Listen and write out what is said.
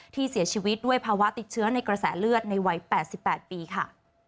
ที่เสียชีวิตด้วยภาวะติดเชื้อในกระแสเลือดในวัย๘๘ปีค่ะ